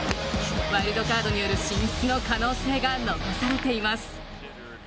ワイルドカードによる進出の可能性が残されています。